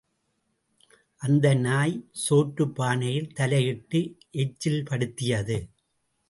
அந்த நாய் சோற்றுப் பானையில் தலையிட்டு எச்சில் படுத்தியது.